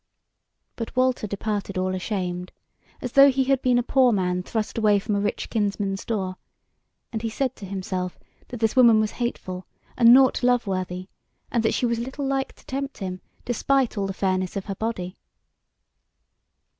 But Walter departed all ashamed, as though he had been a poor man thrust away from a rich kinsman's door; and he said to himself that this woman was hateful, and nought love worthy, and that she was little like to tempt him, despite all the fairness of her body.